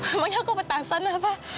namanya aku petasan apa